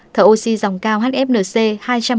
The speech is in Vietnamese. thở oxy dòng cao hfnc hai trăm bốn mươi tám